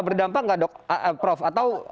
berdampak nggak prof atau